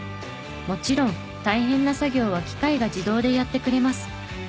もちろん大変な作業は機械が自動でやってくれます。